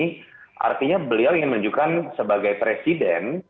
jadi artinya beliau ingin menunjukkan sebagai presiden